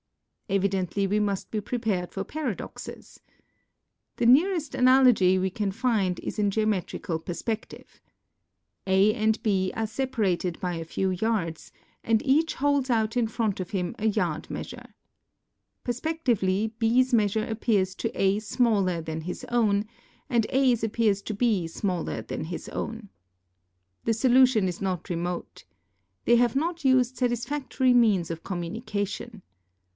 Evidently we must be prepared for paradoxes. The nearest analogy we can find is in geometrical perspective. A and B are separated by a few yards, and each holds out in front of him a yard measure. Perspectively Hs measure appears to A smaller than his own, and A's appears to B smaller than his own. The solution is not remote. They have not used satisfactory means of communication.